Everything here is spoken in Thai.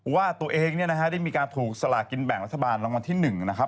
ว่าตัวเองได้มีการถูกสลากินแบ่งรัฐบาลลงวันที่๑นะครับ